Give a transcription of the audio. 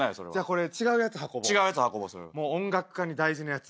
これ違うやつ運ぼう音楽家に大事なやつ。